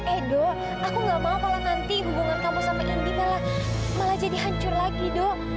edo aku gak mau malah nanti hubungan kamu sama indi malah jadi hancur lagi dok